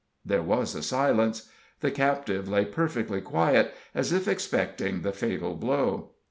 There was a silence; the captive lay perfectly quiet, as if expecting the fatal blow.